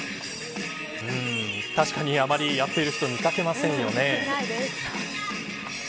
確かに、あまりやっている人は見掛けませんよね。